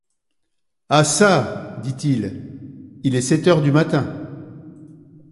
Ah çà! dit-il, il est sept heures du matin.